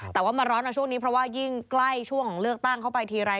แต่ว่ามาร้อนนะช่วงนี้เพราะว่ายิ่งใกล้ช่วงของเลือกตั้งเข้าไปทีไร